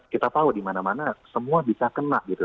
kita tahu dimana mana semua bisa kena gitu